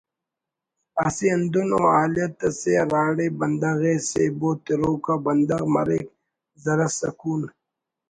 اسہ ہندن ءُ حالیت اسے ہراڑے بندغ ءِ سیبو تروک آ بندغ مریک زرس سکون